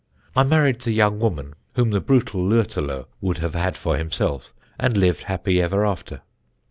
"I married the young woman, whom the brutal Lütterloh would have had for himself, and lived happy ever after."